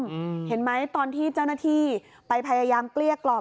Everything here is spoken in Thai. พอหลังจากเกิดเหตุแล้วเจ้าหน้าที่ต้องไปพยายามเกลี้ยกล่อม